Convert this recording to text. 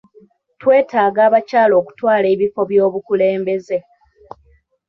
Twetaaga abakyala okutwala ebifo by'obukulembeze.